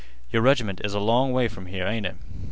Your reg'ment is a long way from here, ain't it?